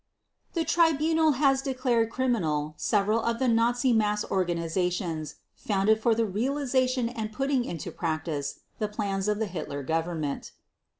The Tribunal has declared criminal several of the Nazi mass organizations founded for the realization and putting into practice the plans of the Hitler Government.